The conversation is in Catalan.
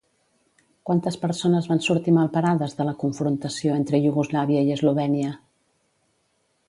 Quantes persones van sortir malparades de la confrontació entre Iugoslàvia i Eslovènia?